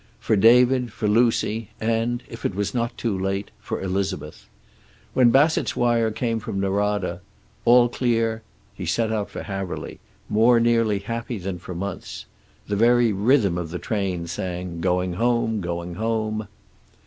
For David, for Lucy, and, if it was not too late, for Elizabeth. When Bassett's wire came from Norada, "All clear," he set out for Haverly, more nearly happy than for months. The very rhythm of the train sang: "Going home; going home."